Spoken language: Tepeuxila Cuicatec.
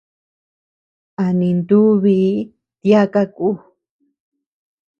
A nintubii tiaka kú.